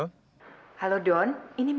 gue nggak ngerti ini spread kamu pun orang